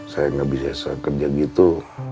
saya gak bisa sekerja gitu